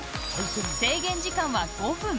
制限時間は５分。